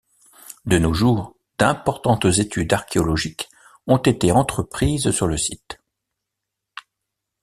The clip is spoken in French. De nos jours, d'importantes études archéologiques ont été entreprises sur le site.